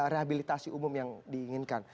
rehabilitasi umum yang diinginkan